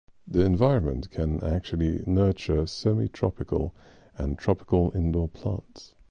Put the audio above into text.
The environment can actually nurture semi-tropical and tropical indoor plants.